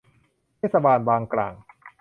เทศบาลบางกร่าง